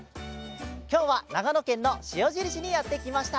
きょうは長野県の塩尻市にやってきました。